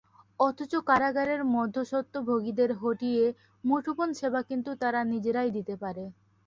অথচ কারাগারের মধ্যস্বত্বভোগীদের হটিয়ে মুঠোফোন সেবা কিন্তু তারা নিজেরাই দিতে পারে।